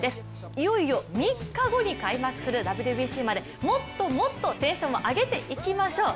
いよいよ３日後に開幕するＷＢＣまで、もっともっとテンションを上げていきましょう。